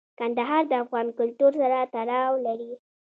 کندهار د افغان کلتور سره تړاو لري.